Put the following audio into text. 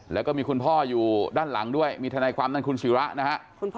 แล้วก็มีคุณพ่ออยู่ด้านหลังด้วยมีทนายความด้านคุณศิระนะฮะ